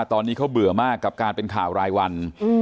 ตอนนี้เขาเบื่อมากกับการเป็นข่าวรายวัน